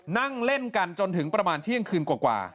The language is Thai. นั่งเล่นกันจนถึงประมาณเที่ยงคืนกว่า